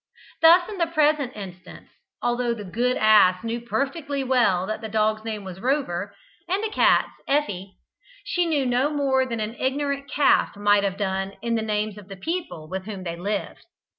Thus, in the present instance, although the good ass knew perfectly well that the dog's name was Rover, and the cat's Effie, she knew no more than an ignorant calf might have done of the names of the people with whom they lived.